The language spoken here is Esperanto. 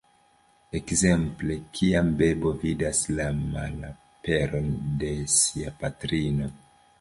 Ekzemple kiam bebo vidas la malaperon de sia patrino.